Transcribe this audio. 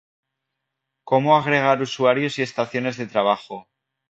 Como agregar usuarios y estaciones de trabajo